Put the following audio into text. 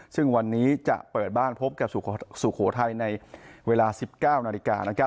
ซึ่งวันนี้จะเปิดบ้านพบกับสุโขทัยในเวลา๑๙นาฬิกา